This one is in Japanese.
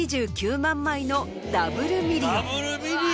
ダブルミリオン！